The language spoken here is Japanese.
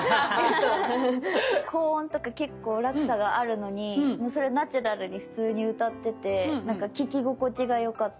高音とか結構落差があるのにそれナチュラルに普通に歌っててなんか聴き心地がよかったです。